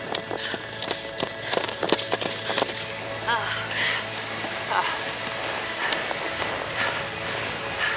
ああ。